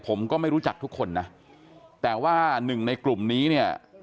ผมก็ไม่รู้จักทุกคนนะแต่ว่าหนึ่งในกลุ่มนี้เนี่ย